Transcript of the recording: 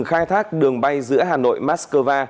khai thác đường bay giữa hà nội mascova